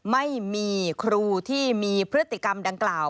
ไม่มีครูที่มีพฤติกรรมดังกล่าว